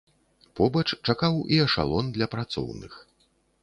Побач чакаў і эшалон для працоўных.